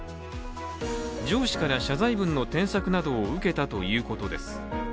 上司から謝罪文の添削などを受けたということです。